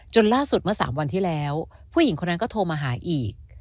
ล่าสุดเมื่อ๓วันที่แล้วผู้หญิงคนนั้นก็โทรมาหาอีก